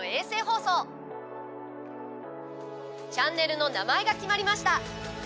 チャンネルの名前が決まりました。